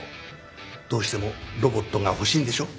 どうしてもロボットが欲しいんでしょ？